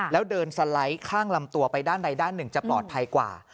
แล้วเดินสไลด์ข้างลำตัวไปด้านใดด้านหนึ่งจะปลอดภัยกว่า